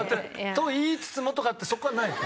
「と言いつつも」とかってそこはないの？